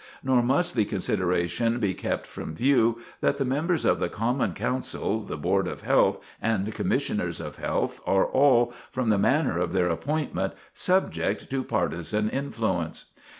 Nor must the consideration be kept from view, that the members of the common council, the board of health, and commissioners of health are all, from the manner of their appointment, subject to partisan influence.